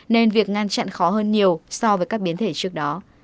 nên việc ngăn chặn khó hơn nhiều so với các biến thể trước đó